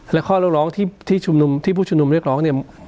และข้อเรื่องร้องที่ผู้ชุมนุมเรียกร้อง